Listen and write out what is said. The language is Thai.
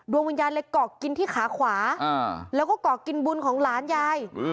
วิญญาณเลยเกาะกินที่ขาขวาแล้วก็เกาะกินบุญของหลานยาย